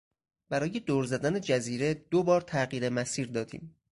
برای دور زدن جزیره دو بار تغییر مسیر دادیم.